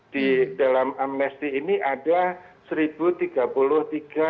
di dalam amnesty ini ada satu tiga puluh tiga